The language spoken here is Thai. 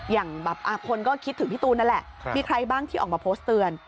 อย่างแบบคนก็คิดถึงพี่ตูนนั่นแหละมีใครบ้างที่ออกมาโพสต์เตือน